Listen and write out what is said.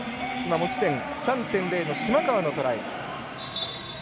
持ち点３．０の島川のトライ。